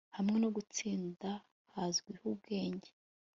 hamwe no gutsinda hazwiho ubwenge